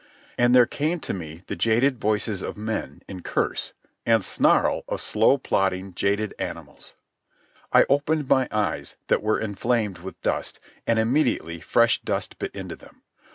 And there came to me the jaded voices of men, in curse and snarl of slow plodding, jaded animals. I opened my eyes, that were inflamed with dust, and immediately fresh dust bit into them.